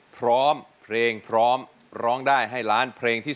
ใช่ใช่ใช่ใช่ใช่ใช่